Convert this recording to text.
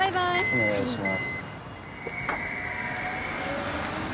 お願いします。